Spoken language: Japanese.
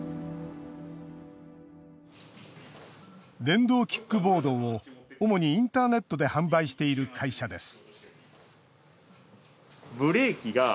電動キックボードを主にインターネットで販売している会社です。